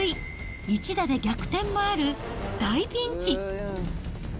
一打で逆転もある大ピンチ。